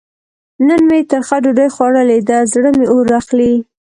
نن مې ترخه ډوډۍ خوړلې ده؛ زړه مې اور اخلي.